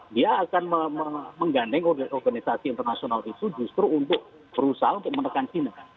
dia akan menggandeng organisasi internasional itu justru untuk berusaha untuk menekan china